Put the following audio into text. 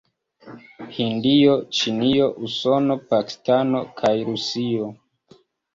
Hindio, Ĉinio, Usono, Pakistano kaj Rusio.